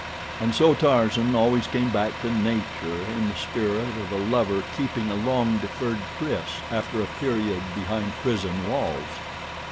And so Tarzan always came back to Nature in the spirit of a lover keeping a long deferred tryst after a period behind prison walls.